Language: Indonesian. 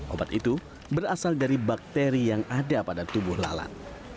obat itu berasal dari bakteri yang ada pada tubuh lalat